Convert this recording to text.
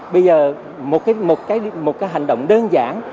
bây giờ một hành động đơn giản